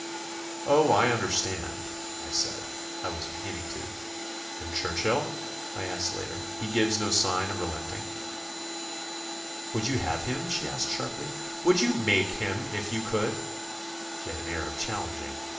"Oh, I understand," I said. I was beginning to. "And Churchill?" I asked later, "he gives no sign of relenting?" "Would you have him?" she asked sharply; "would you make him if you could?" She had an air of challenging.